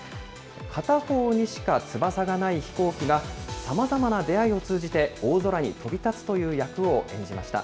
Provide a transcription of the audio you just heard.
片方にしか翼がない飛行機が、さまざまな出会いを通じて、大空に飛び立つという役を演じました。